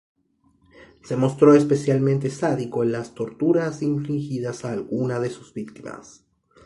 Se mostró especialmente sádico en las torturas infligidas a alguna de sus víctimas.